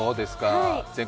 全国